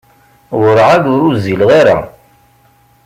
Werɛad ur uzzileɣ ara.